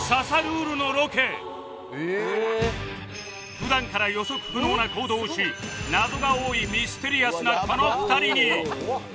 普段から予測不能な行動をし謎が多いミステリアスなこの２人に